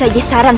oh ya tuhan